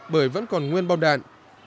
bởi vẫn còn nguyên bom đạn